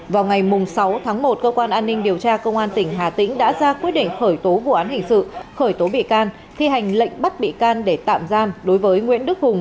vào ngày sáu tháng một cơ quan an ninh điều tra công an tỉnh hà tĩnh đã ra quyết định khởi tố vụ án hình sự khởi tố bị can thi hành lệnh bắt bị can để tạm giam đối với nguyễn đức hùng